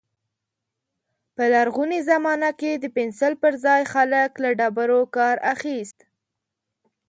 په لرغوني زمانه کې د پنسل پر ځای خلک له ډبرو کار اخيست.